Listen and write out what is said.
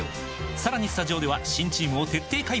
さらにスタジオでは新チームを徹底解剖！